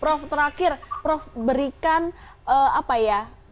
prof terakhir prof berikan apa ya